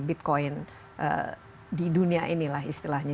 bitcoin di dunia inilah istilahnya